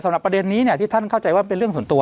ประเด็นนี้ที่ท่านเข้าใจว่าเป็นเรื่องส่วนตัว